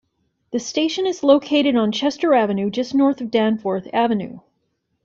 The station is located on Chester Avenue just north of Danforth Avenue.